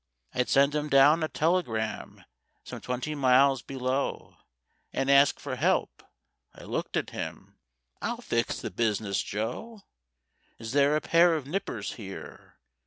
"'I'd send 'em down a telegram Some twenty miles below, And ask for help.' I looked at him— 'I'll fix the business, Joe. Is there a pair of nippers here?